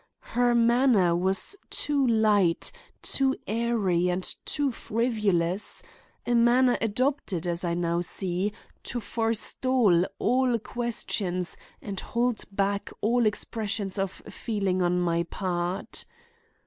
Her manner was too light, too airy and too frivolous—a manner adopted, as I now see, to forestall all questions and hold back all expressions of feeling on my part.